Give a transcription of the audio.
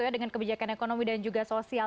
dengan kebijakan ekonomi dan juga sosial